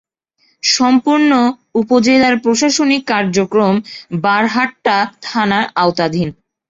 সম্পূর্ণ উপজেলার প্রশাসনিক কার্যক্রম বারহাট্টা থানার আওতাধীন।